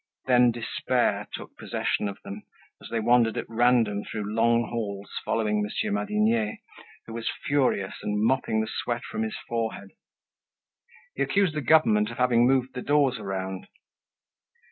Then despair took possession of them as they wandered at random through long halls, following Monsieur Madinier, who was furious and mopping the sweat from his forehead. He accused the government of having moved the doors around.